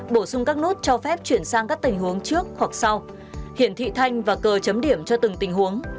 bổ sung các nút cho phép chuyển sang các tình huống trước hoặc sau hiển thị thanh và cờ chấm điểm cho từng tình huống